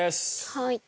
はい。